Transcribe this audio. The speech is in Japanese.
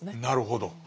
なるほど。